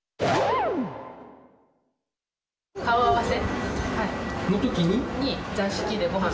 顔合わせ。